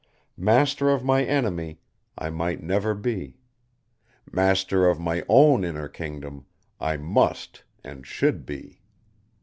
Master of my enemy I might never be; master of my own inner kingdom I must and should be.